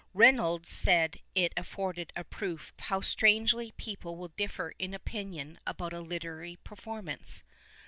Rey nolds said it afforded a proof how strangely people will differ in opinion about a literary performance.